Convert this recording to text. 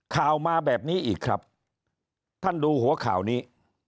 ข่าวมาแบบนี้อีกครับท่านดูหัวข่าวนี้